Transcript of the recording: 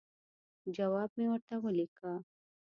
جواب مې ورته ولیکه.